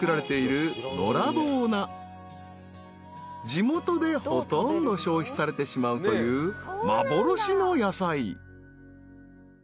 ［地元でほとんど消費されてしまうという幻の野菜］